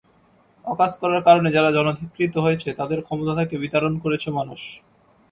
অকাজ করার কারণে যারা জনধিক্কৃত হয়েছে, তাদের ক্ষমতা থেকে বিতাড়ন করেছে মানুষ।